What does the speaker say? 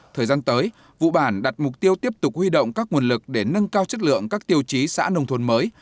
thời gian tới vụ bản đặt mục tiêu tiếp tục huy động các nguồn lực để nâng cao chất lượng các tiêu chí xã nông thôn mới